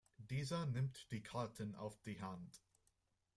Dieser nimmt die Karten auf die Hand.